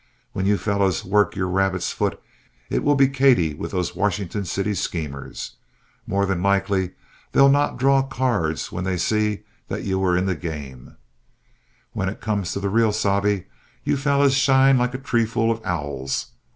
When you fellows work your rabbit's foot, it will be Katy with those Washington City schemers more than likely they'll not draw cards when they see that you are in the game When it comes to the real sabe, you fellows shine like a tree full of owls.